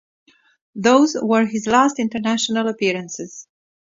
Those were his last international appearances.